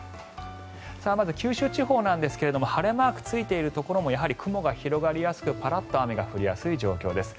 まず九州地方なんですが晴れマークついているところもやはり雲が広がりやすくパラッと雨が降りやすい状況です